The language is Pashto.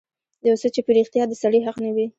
يو څه چې په رښتيا د سړي حق نه وي.